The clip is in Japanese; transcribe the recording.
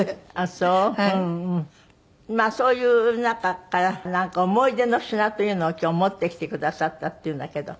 まあそういう中からなんか思い出の品というのを今日持ってきてくださったっていうんだけど。